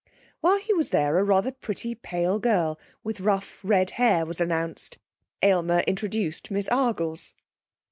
While he was there a rather pretty pale girl, with rough red hair, was announced. Aylmer introduced Miss Argles.